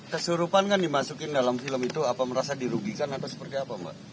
kesurupan kan dimasukin dalam film itu apa merasa dirugikan atau seperti apa mbak